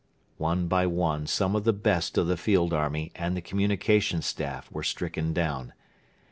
One by one some of the best of the field army and the communication Staff were stricken down.